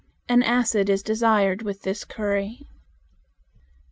An acid is desired with this curry.